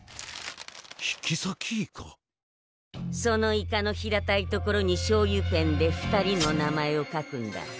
そのイカの平たいところにしょうゆペンで２人の名前を書くんだ。